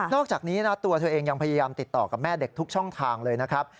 อกจากนี้นะตัวเธอเองยังพยายามติดต่อกับแม่เด็กทุกช่องทางเลยนะครับ